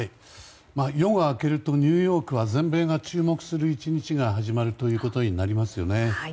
夜が明けるとニューヨークは全米が注目する１日が始まるということになりますよね。